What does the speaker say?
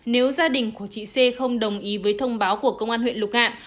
nếu gia đình của trị xê không đồng ý với thông báo của công an huyện lục ngạn